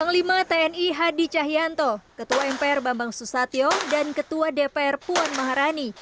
panglima tni hadi cahyanto ketua mpr bambang susatyo dan ketua dpr puan maharani